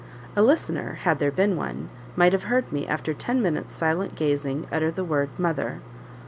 A listener (had there been one) might have heard me, after ten minutes' silent gazing, utter the word "Mother!"